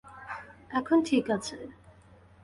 এখন ঠিক আছে!